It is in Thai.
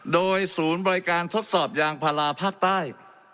โดยศูนย์บริการทดสอบยางพาราภาคใต้